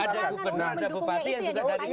ada gubernur yang mendukungnya itu yang di tayangnya